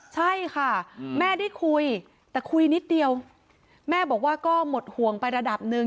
ใช่ค่ะแม่ได้คุยแต่คุยนิดเดียวแม่บอกว่าก็หมดห่วงไประดับหนึ่ง